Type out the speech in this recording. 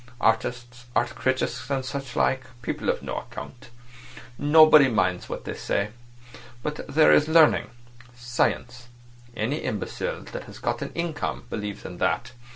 Artists—art critics and such like—people of no account. Nobody minds what they say. But there is learning—science. Any imbecile that has got an income believes in that.